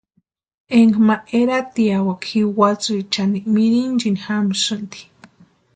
Énka ma eratiawaka jiwatsïchani mirinchini jamsïnti.